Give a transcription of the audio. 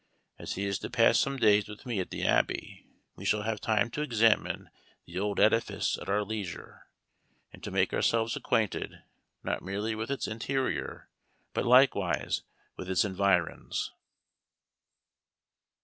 As he is to pass some days with me at the Abbey, we shall have time to examine the old edifice at our leisure, and to make ourselves acquainted, not merely with its interior, but likewise with its environs.